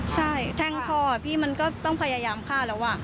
ใช่แท่งพ่อพี่มันก็ต้องพยายามฆ่าแล้ว